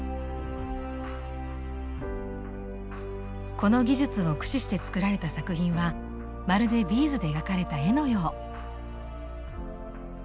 この技術を駆使して作られた作品はまるでビーズで描かれた絵のよう。